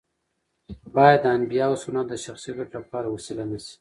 باید د انبیاوو سنت د شخصي ګټو لپاره وسیله نه شي.